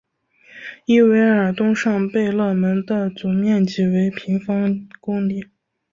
伊韦尔东上贝勒蒙的总面积为平方公里。